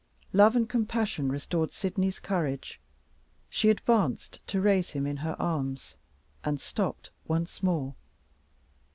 Love and compassion restored Sydney's courage; she advanced to raise him in her arms and stopped once more.